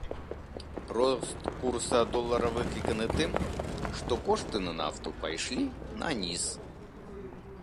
Рост курса долара выкліканы тым, што кошты на нафту пайшлі наніз.